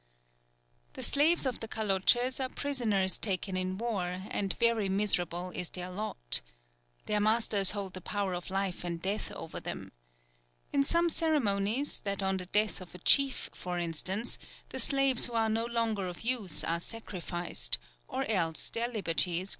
The slaves of the Kaloches are prisoners taken in war, and very miserable is their lot. Their masters hold the power of life and death over them. In some ceremonies, that on the death of a chief, for instance, the slaves who are no longer of use are sacrificed, or else their liberty is given to them.